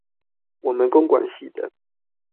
我們工管系的